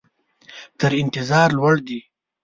تر انتظار لوړ دي.